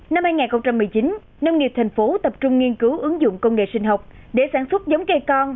năm hai nghìn một mươi chín nông nghiệp thành phố tập trung nghiên cứu ứng dụng công nghệ sinh học để sản xuất giống cây con